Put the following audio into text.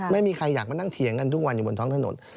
ไม่มีใครอยากมานั่งเถียงกันทุกวันอยู่บนท้องถนน